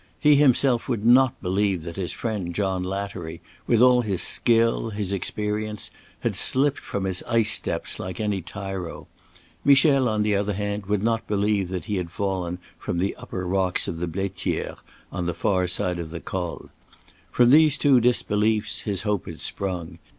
He himself would not believe that his friend John Lattery, with all his skill, his experience, had slipped from his ice steps like any tyro; Michel, on the other hand, would not believe that he had fallen from the upper rocks of the Blaitière on the far side of the Col. From these two disbeliefs his hope had sprung.